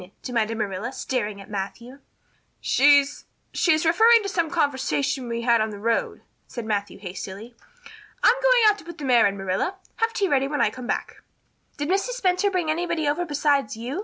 demanded Marilla, staring at Matthew. "She she's just referring to some conversation we had on the road," said Matthew hastily. "I'm going out to put the mare in, Marilla. Have tea ready when I come back." "Did Mrs. Spencer bring anybody over besides you?"